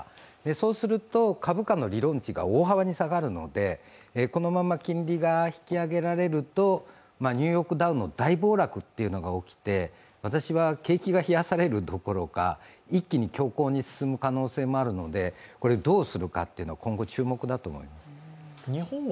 そうすると株価の理論値が大幅に下がるのでこのまま金利が引き上げられるとニューヨークダウの大暴落が起きて、私は景気が冷やされるどころか、一気に恐慌に変わる可能性があるのでどうするか、今後、注目だと思います。